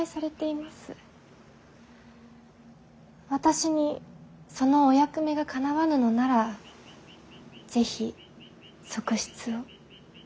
私にそのお役目がかなわぬのなら是非側室を。